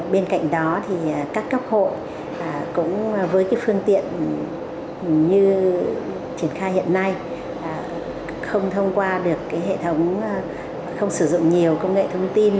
bên cạnh đó thì các cấp hội cũng với phương tiện như triển khai hiện nay không thông qua được hệ thống không sử dụng nhiều công nghệ thông tin